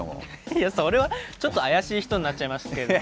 いや、それはちょっと怪しい人になっちゃいますけども。